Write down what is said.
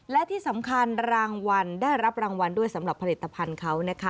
และที่สำคัญรางวัลได้รับรางวัลด้วยสำหรับผลิตภัณฑ์เขานะคะ